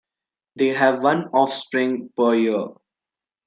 They have one offspring per year.